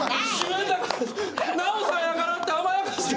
奈緒さんやからって甘やかして。